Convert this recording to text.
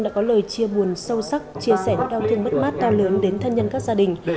đã có lời chia buồn sâu sắc chia sẻ những đau thương mất mát to lớn đến thân nhân các gia đình